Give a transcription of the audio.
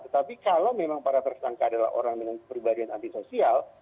tetapi kalau memang para tersangka adalah orang dengan kepribadian antisosial